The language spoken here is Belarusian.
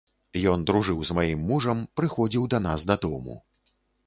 Ён дружыў з маім мужам, прыходзіў да нас дадому.